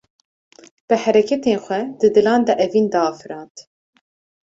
Bi hereketên xwe, di dilan de evîn diafirand